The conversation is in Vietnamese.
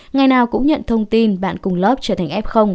ngày nào cũng nhận thông tin bạn cùng lớp trở thành f